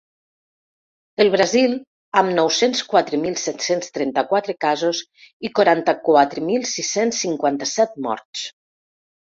El Brasil, amb nou-cents quatre mil set-cents trenta-quatre casos i quaranta-quatre mil sis-cents cinquanta-set morts.